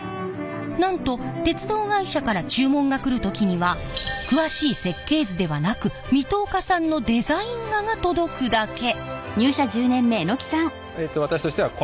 なんと鉄道会社から注文が来る時には詳しい設計図ではなく水戸岡さんのデザイン画が届くだけ。